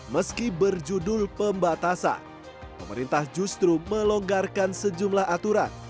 meski berjudul pembatasan pemerintah justru melonggarkan sejumlah aturan